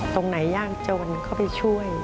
ตรงไหนยากจนเข้าไปช่วย